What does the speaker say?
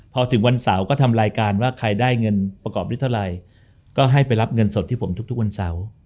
พอถึงวันเสาร์ก็ทำรายการว่าใครได้เงินประกอบได้เท่าไรก็ให้ไปรับเงินสดที่ผมทุกวันเสาร์